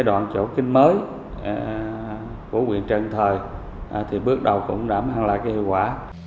cái đoạn chỗ kinh mới của quyền trần thời thì bước đầu cũng đã mang lại cái hiệu quả